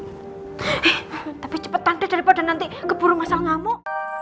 eh tapi cepetan deh daripada nanti keburu mas al ngamuk